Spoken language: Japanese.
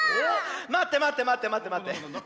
まってまってまってまってまって。